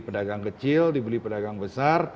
pedagang kecil dibeli pedagang besar